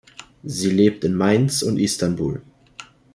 Sie lebt in Mainz und Istanbul.